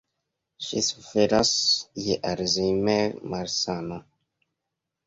Ŝi suferas je Alzheimer-malsano.